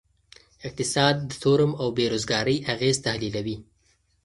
اقتصاد د تورم او بیروزګارۍ اغیز تحلیلوي.